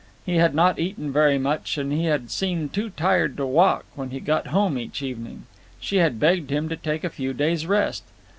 He had not eaten very much, and he had seemed too tired to talk when he got home each evening. She had begged him to take a few days' rest.